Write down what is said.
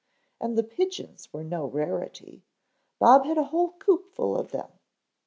And the pigeons were no rarity; Bob had a whole coop full of them.